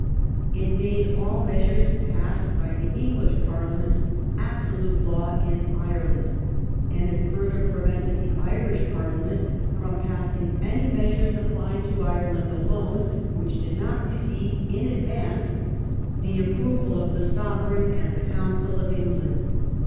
It made all measures passed by the English Parliament absolute law in Ireland, and it further prevented the Irish Par liament from passing any measures applying to Ireland alone which did not receive in advance the approval of the Sovereign and the Council of England.